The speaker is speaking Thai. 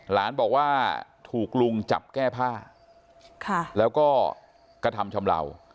หลานบอกว่าถูกลุงจับแก้ผ้าแล้วก็กระทำชำเหล่า